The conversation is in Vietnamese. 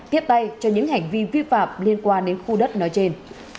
tiếp tay cho những hành vi vi phạm liên quan đến khu đất nói trên